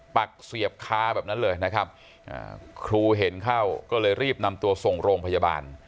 ปักเสียบคาแบบนั้นเลยนะครับครูเห็นเข้าก็เลยรีบนำตัวส่งโรงพยาบาล